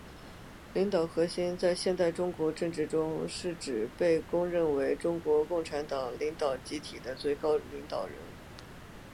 领导核心在现代中国政治中是指被公认为中国共产党领导集体的最高领导人。